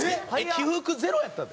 起伏ゼロやったで。